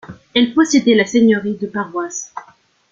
Elle possédait la seigneurie de paroisse.